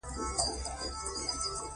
زه اندېښمن یم